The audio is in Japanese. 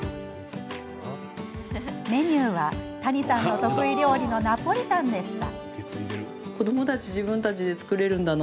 メニューは、谷さんの得意料理ナポリタンでした。